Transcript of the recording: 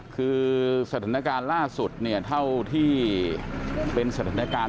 คือสถานการณ์ล่าสุดเนี่ยเท่าที่เป็นสถานการณ์